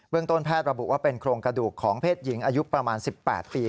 ต้นแพทย์ระบุว่าเป็นโครงกระดูกของเพศหญิงอายุประมาณ๑๘ปี